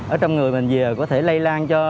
ở trong người bệnh về có thể lây lan cho